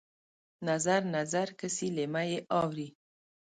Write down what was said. نظر، نظر کسي لېمه یې اورې